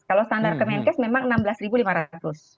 kalau standar kemenkes memang enam belas ribu lima ratus